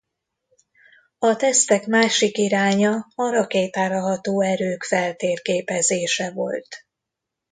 A tesztek másik iránya a rakétára ható erők feltérképezése volt.